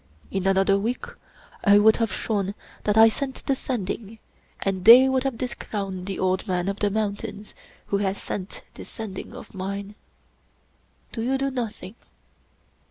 In another week I would have shown that I sent the Sending, and they would have discrowned the Old Man of the Mountains who has sent this Sending of mine Do you do nothing.